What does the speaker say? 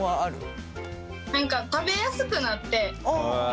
何か食べやすくなって。